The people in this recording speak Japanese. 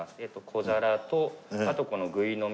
小皿とあとこのぐいのみサイズか